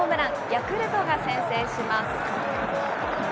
ヤクルトが先制します。